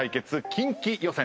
キンキ予選です。